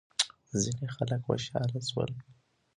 ځینې خلک خوشحال شول.